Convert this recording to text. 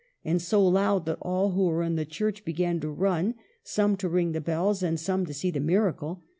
" and so loud that all who were in the church began to run, some to ring the bells and some to see the miracle.